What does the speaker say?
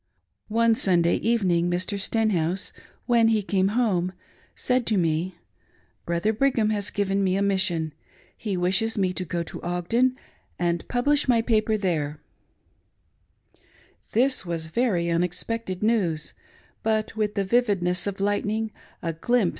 One Sunday evening, Mr, Stenhouse, when he came home^ 55 2 THE TRIAL OF OUR FAITH. said to me :" Broliier Brigham has given me a mission ; he wishes me to go to Ogden and publish my paper there." This was very unexpected news ; but with the vividness of lightning, a glimpse